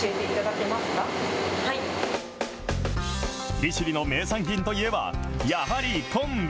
利尻の名産品といえば、やはり昆布。